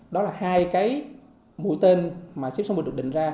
đó là hai cái mũi tên mà sip sáu mươi được định ra